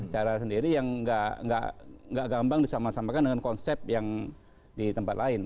cara sendiri yang enggak enggak enggak enggak gampang disamasamakan dengan konsep yang di tempat lain